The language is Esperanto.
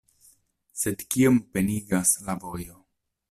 Sed kiom penigas la vojo..